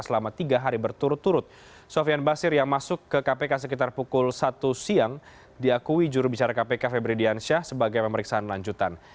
sofian basir yang masuk ke kpk sekitar pukul satu siang diakui jurubicara kpk febri diansyah sebagai pemeriksaan lanjutan